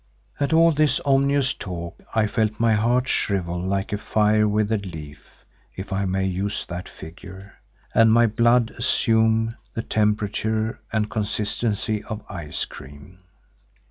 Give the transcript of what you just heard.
At all this ominous talk I felt my heart shrivel like a fire withered leaf, if I may use that figure, and my blood assume the temperature and consistency of ice cream.